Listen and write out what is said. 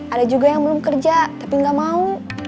ada juga yang belum kerja tapi nggak mau